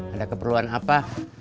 ada keperluan apa